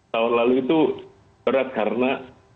tahun lalu itu berat karena